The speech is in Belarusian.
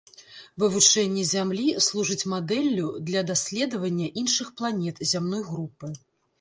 Вывучэнне зямлі служыць мадэллю для даследавання іншых планет зямной групы.